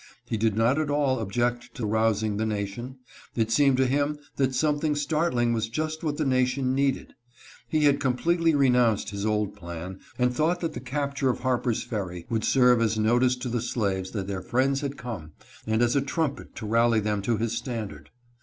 He did not at all object to rousing the nation ; it seemed to him that something startling was just what the nation needed. He had com pletely renounced his old plan, and thought that the cap ture of Harper's Ferry would serve as notice to the slaves that their friends had come, and as a trumpet to rally them to his standard.